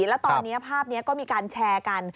แล้วตอนนี้ภาพนี้ก็มีการแชร์กัน